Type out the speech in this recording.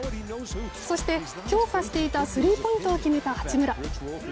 そして、強化していたスリーポイントを決めた八村。